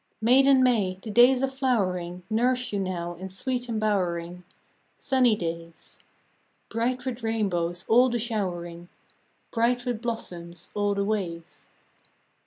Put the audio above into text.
FROM QUEENS' GARDENS. 150 Maiden May, the days of flowering* Nurse you now in sweet embowering, Sunny days : Bright with rainbows all the showering, Bright with blossoms all the ways.